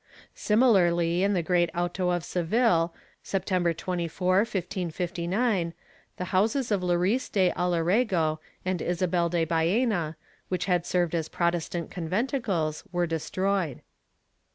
Similarly in the great auto of Seville, September 24, 1559, the houses of Luis de Alerego and Isabel de Baena, which had served as Protestant conventicles, were destroyed.